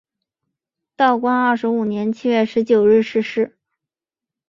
道光二十五年七月十九日逝世。